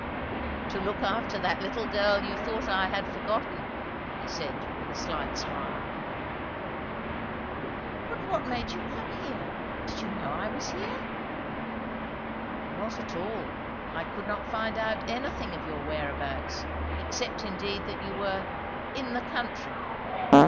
"To look after that little girl you thought I had forgotten," he said with a slight smile. "But what made you come here? Did you know I was here?" "Not at all. I could not find out anything of your whereabouts; except indeed that you were 'in the country.'